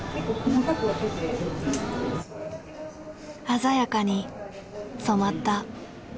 鮮やかに染まった。